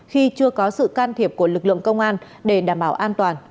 khi chưa có sự can thiệp của lực lượng công an để đảm bảo an toàn